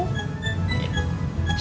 siapkan makan malam kita ajak makan